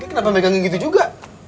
gak kenapa megangin gitu juga